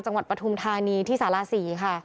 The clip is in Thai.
จังหวัดปฐมธานีที่ศาลาศรี